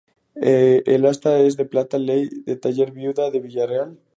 El asta es de plata de ley del Taller Viuda de Villarreal.